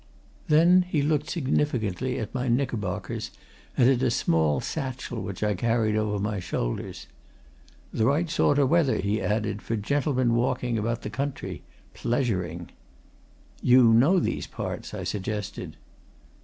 Then he looked significantly at my knickerbockers and at a small satchel which I carried over my shoulders. "The right sort o' weather," he added, "for gentlemen walking about the country pleasuring." "You know these parts," I suggested.